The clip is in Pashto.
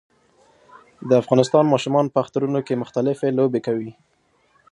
د افغانستان ماشومان په اخترونو کې مختلفي لوبې کوي